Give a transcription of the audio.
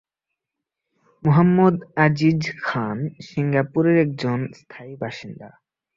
মুহাম্মদ আজিজ খান সিঙ্গাপুরের একজন স্থায়ী বাসিন্দা।